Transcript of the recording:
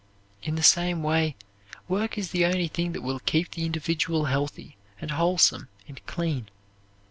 In the same way work is the only thing that will keep the individual healthy and wholesome and clean.